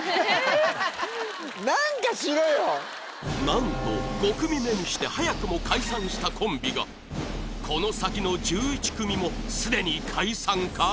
何と５組目にして早くも解散したコンビがこの先の１１組もすでに解散か？